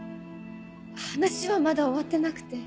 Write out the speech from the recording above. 話はまだ終わってなくて。